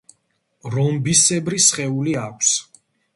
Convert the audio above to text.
რომბისებრი სხეული აქვს.